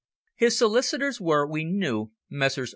His solicitors were, we knew, Messrs.